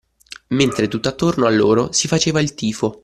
Mentre tutt’attorno a loro si faceva il tifo